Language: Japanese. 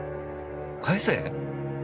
返せ？